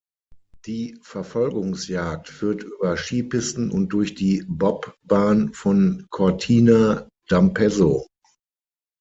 Die Verfolgungsjagd führt über Skipisten und durch die Bobbahn von Cortina d’Ampezzo.